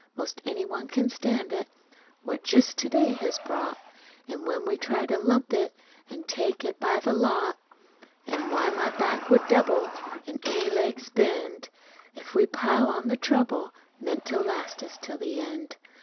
'Most any one can stand it What jest TO DAY has brought. It's when we try to lump it, An' take it by the lot! Why, any back would double, An' any legs'll bend, If we pile on all the trouble Meant to last us till the end!